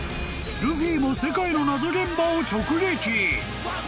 ［ルフィも世界の謎現場を直撃］